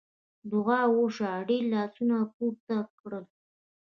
دعا وشوه ډېر یې لاسونه پورته کړل.